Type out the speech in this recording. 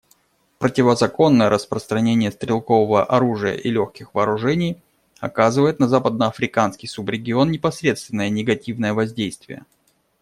Противозаконное распространение стрелкового оружия и легких вооружений оказывает на западноафриканский субрегион непосредственное негативное воздействие.